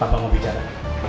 pak pak mau bicara